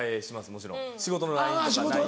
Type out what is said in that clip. もちろん仕事のＬＩＮＥとか。